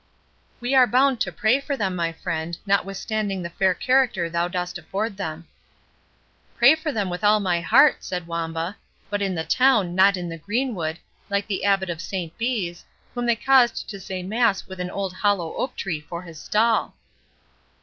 "WE are bound to pray for them, my friend, notwithstanding the fair character thou dost afford them." "Pray for them with all my heart," said Wamba; "but in the town, not in the greenwood, like the Abbot of Saint Bees, whom they caused to say mass with an old hollow oak tree for his stall."